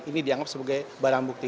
ini dianggap sebagai barang bukti